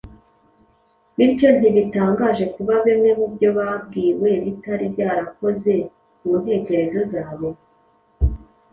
Bityo ntibitangaje kuba bimwe mu byo babwiwe bitari byarakoze ku ntekerezo zabo